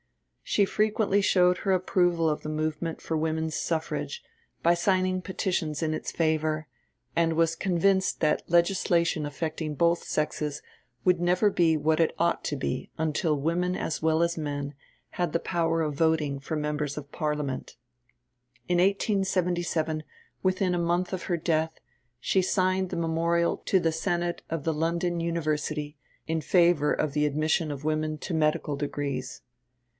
She frequently showed her approval of the movement for women's suffrage by signing petitions in its favour, and was convinced that legislation affecting both sexes would never be what it ought to be until women as well as men had the power of voting for Members of Parliament. In 1877, within a month of her death, she signed the memorial to the Senate of the London University in favour of the admission of women to medical degrees.